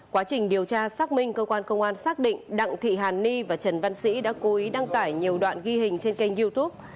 quá trình điều tra xác minh công an tp hcm xác định đặng thị hàn ni và trần văn sĩ đã cố ý đăng tải nhiều đoạn ghi hình trên kênh youtube